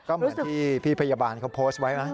ก็เหมือนที่พี่พยาบาลเขาโพสต์ไว้นะ